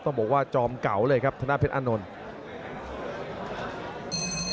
ต้องบอกว่าจอมเก่าเลยครับธนาเพชรอานนท์